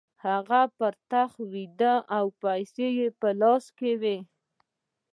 هغه پر تخت ویده او پیسې یې په لاس کې وې